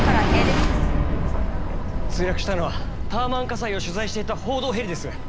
墜落したのはタワマン火災を取材していた報道ヘリです。